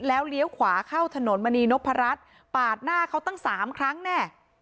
แล้วเลี้ยวขวาเข้าถนนมณีนพรัชปาดหน้าเขาตั้งสามครั้งแน่